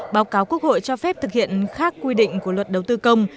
báo cáo quốc hội cho phép thực hiện khác quy định của luật đầu tư công